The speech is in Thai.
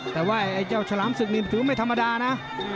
แต่ว่าไอ้เจ้าฉลามศึกนี่ถือไม่ธรรมดานะ